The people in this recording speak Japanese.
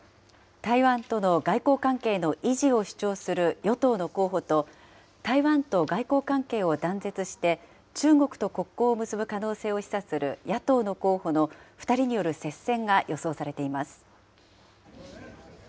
台湾との外交関係の維持を主張する与党の候補と、台湾と外交関係を断絶して、中国と国交を結ぶ可能性を示唆する野党の候補の２人による接戦が予想されています。